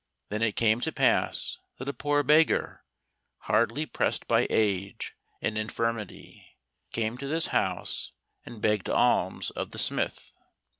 Then it came to pass that a poor beggar, hardly pressed by age and infirmity, came to this house and begged alms of the smith.